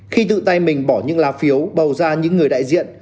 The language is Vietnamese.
khi tự tay mình bỏ những lá phiếu bầu ra những người đại diện